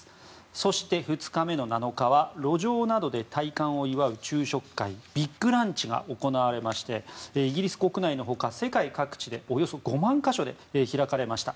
そして、２日目の７日は路上などで戴冠を祝う昼食会、ビッグランチが行われましてイギリス国内の他世界各地およそ５万か所で開かれました。